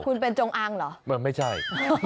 คุณเป็นจงอางเหรอมันไม่ใช่